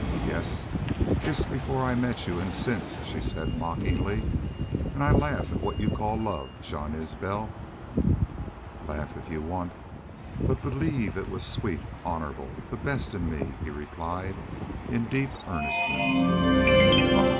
"Yes kissed before I met you and since," she said, mockingly. "And I laugh at what y'u call love, Jean Isbel." "Laugh if you want but believe it was sweet, honorable the best in me," he replied, in deep earnestness. "Bah!"